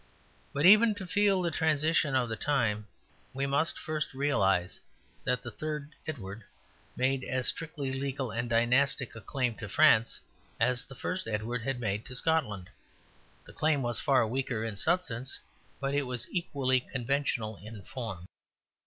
But even to feel the transition of the time we must first realize that the third Edward made as strictly legal and dynastic a claim to France as the first Edward had made to Scotland; the claim was far weaker in substance, but it was equally conventional in form.